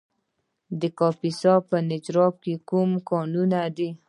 د کاپیسا په نجراب کې کوم کانونه دي؟